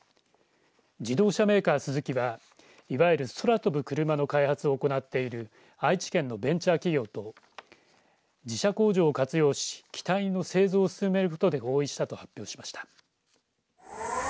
自動車メーカースズキはいわゆる空飛ぶクルマの開発を行っている愛知県のベンチャー企業と自社工場を活用し機体の製造を進めることで合意したと発表しました。